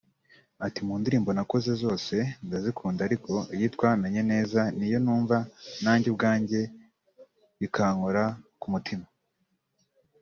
Ati “Mu ndirimbo nakoze zose ndazikunda ariko iyitwa ‘Menye Neza’ niyo numva nanjye ubwanjye bikankora ku mutima